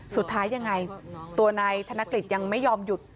สุดท้ายยังไงตัวนายธนกฤษยังไม่ยอมหยุด